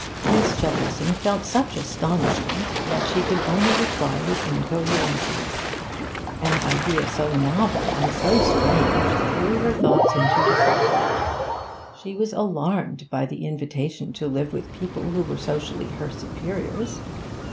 Miss Shepperson felt such astonishment that she could only reply with incoherencies. An idea so novel and so strange threw her thoughts into disorder. She was alarmed by the invitation to live with people who were socially her superiors.